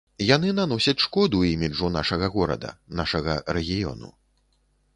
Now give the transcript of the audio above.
Яны наносяць шкоду іміджу нашага горада, нашага рэгіёну.